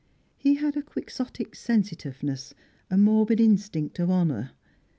He had a quixotic sensitiveness, a morbid instinct of honour.